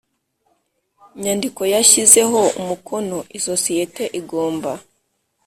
Nyandiko yashyizeho umukono isosiyete igomba